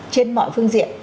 trên mọi phương diện